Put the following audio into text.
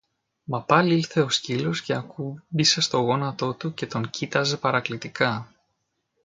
Μα πάλι ήλθε ο σκύλος και ακούμπησε στο γόνατο του και τον κοίταζε παρακλητικά